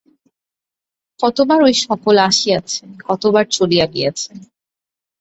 কতবার এই-সকল আসিয়াছে, কতবার চলিয়া গিয়াছে।